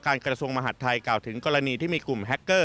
กระทรวงมหาดไทยกล่าวถึงกรณีที่มีกลุ่มแฮคเกอร์